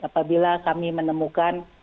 apabila kami menemukan